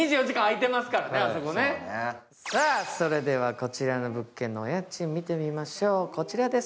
こちらの物件のお家賃見てみましょう、こちらです。